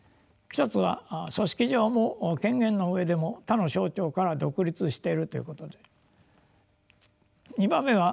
一つは組織上も権限の上でも他の省庁から独立しているということであります。